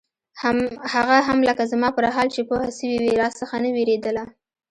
هغه هم لکه زما پر حال چې پوهه سوې وي راڅخه نه وېرېدله.